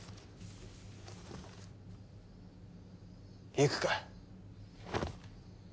行くか！